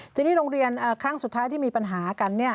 ทีนี้โรงเรียนครั้งสุดท้ายที่มีปัญหากัน